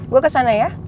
gue kesana ya